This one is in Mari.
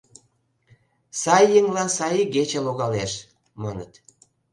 — Сай еҥлан сай игече логалеш, маныт...